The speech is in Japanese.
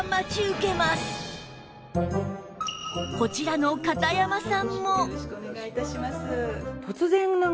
こちらの片山さんも